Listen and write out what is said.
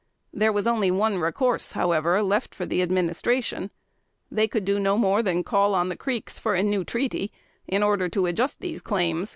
There was only one recourse, however, left for the Administration; they could do no more than to call on the Creeks for a new treaty, in order to adjust these claims.